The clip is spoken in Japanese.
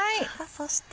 そして。